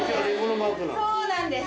そうなんです。